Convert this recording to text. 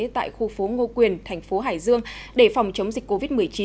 tại khu phố ngô quyền thành phố hải dương để phòng chống dịch covid một mươi chín